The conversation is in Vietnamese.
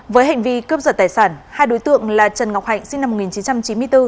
với hành vi cướp giật tài sản hai đối tượng là trần ngọc hạnh sinh năm một nghìn chín trăm chín mươi bốn